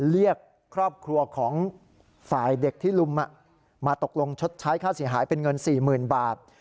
เรียกครอบครัวของฝ่ายเด็กที่ลุมมาตกลงชดใช้ค่าเสียหายเป็นเงิน๔๐๐๐บาท